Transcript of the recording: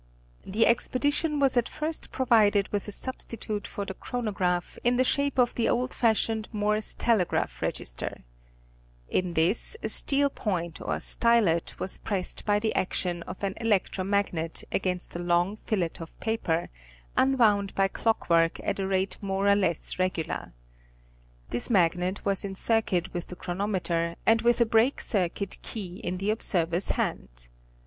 The expedition was at first provided with a substitute for the chronograph in the shape of the old fashioned Morse telegraph register. In this a steel point or stylet was pressed by the action of an electro magnet against a long fillet of paper, unwound by clock work at a rate more or less regular. This magnet was in circuit with the chronometer and with a break circuit key in the observer's hand.